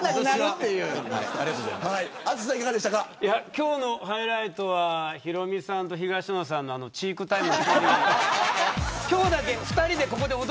今日のハイライトはヒロミさんと東野さんのチークタイム。